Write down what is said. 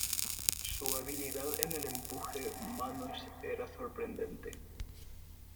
Su habilidad en el empuje manos era sorprendente.